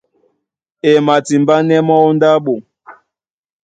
E matimbánɛ́ mɔ́ ó ndáɓo.